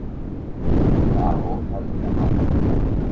Ka'avo ha yvyramáta.